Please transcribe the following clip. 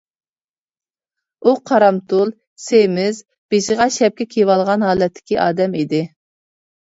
ئۇ قارامتۇل، سېمىز، بېشىغا شەپكە كىيىۋالغان ھالەتتىكى ئادەم ئىدى.